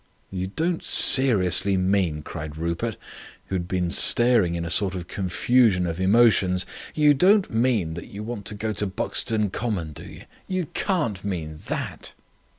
"You don't seriously mean," cried Rupert, who had been staring in a sort of confusion of emotions. "You don't mean that you want to go to Buxton Common, do you? You can't mean that!"